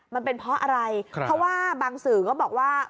มันเป็นเพราะอะไรเพราะว่าบางสื่อก็บอกว่า